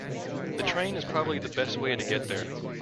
The train is probably the best way to get there.